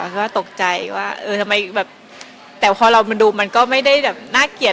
ตอนที่คลิปออกมาก็ตกใจกว่าพอลองดูก็ไม่ได้น่าเกลียด